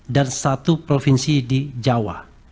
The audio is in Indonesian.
dan satu provinsi di jawa